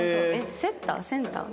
セッター？センター？